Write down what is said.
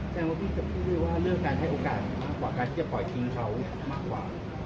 แสดงว่าพี่จะพูดด้วยว่าเรื่องการให้โอกาสมากกว่าการที่จะปล่อยทิ้งเขามากกว่า